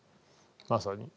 まさに。